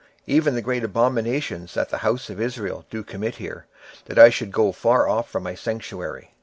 even the great abominations that the house of Israel committeth here, that I should go far off from my sanctuary?